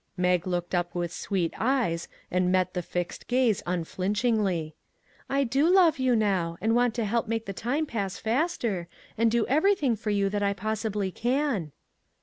Mag looked up with sweet eyes and met the fixed gaze unflinchingly. " I do love you now, and want to help make the time pass faster, and do everything for you that I possibly can."